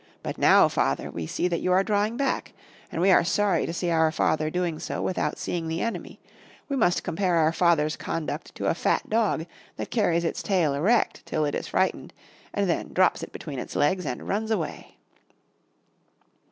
But now, father, we see that you are drawing back. And we are sorry to see our father doing so without seeing the enemy. We must compare our father's conduct to a fat dog that carries its tail erect till it is frightened, and then drops it between its legs and runs away."